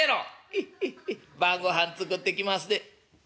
「ヘッヘッヘッ晩ごはん作ってきますで」。